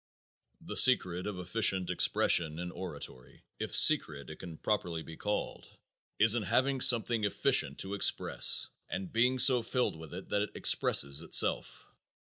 "_ The secret of efficient expression in oratory if secret it can properly be called is in having something efficient to express and being so filled with it that it expresses itself.